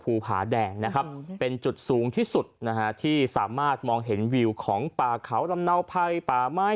ภูผาแดงนะครับเป็นจุดสูงที่สุดนะฮะที่สามารถมองเห็นวิวของป่าเขาลำเนาภัยป่าไม้